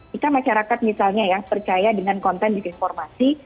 kita masyarakat misalnya ya percaya dengan konten disinformasi